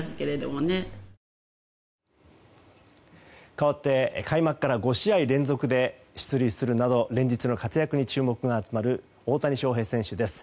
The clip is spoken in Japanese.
かわって、開幕から５試合連続で出塁するなど連日の活躍に注目が集まる大谷翔平選手です。